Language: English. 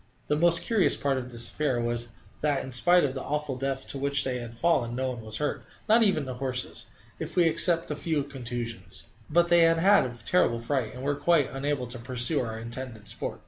The most curious part of this affair was that, in spite of the awful depth to which they had fallen, no one was hurt, not even the horses, if we except a few slight contusions. But they had had a terrible fright, and were quite unable to pursue our intended sport.